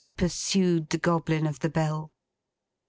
pursued the Goblin of the Bell.